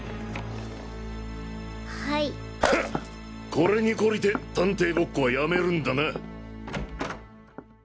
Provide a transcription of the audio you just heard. これに懲りて探偵ごっこはやめるんだな！